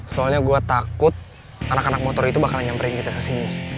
soalnya gue takut anak anak motor itu bakalan nyamperin kita kesini